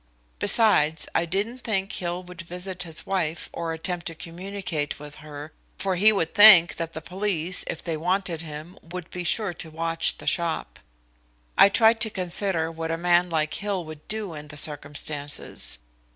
Besides, I didn't think Hill would visit his wife or attempt to communicate with her, for he would think that the police, if they wanted him, would be sure to watch the shop. I tried to consider what a man like Hill would do in the circumstances.